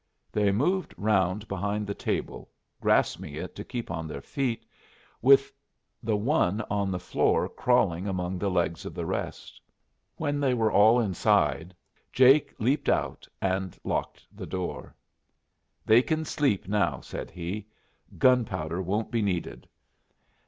They moved round behind the table, grasping it to keep on their feet, with the one on the floor crawling among the legs of the rest. When they were all inside, Jake leaped out and locked the door. "They kin sleep now," said he. "Gunpowder won't be needed.